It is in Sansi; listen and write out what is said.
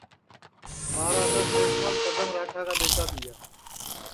مہاراجا سینس مل پدم راٹا کا ٻیٹا تیا